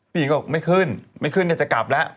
หญิงก็บอกไม่ขึ้นไม่ขึ้นเนี่ยจะกลับแล้ว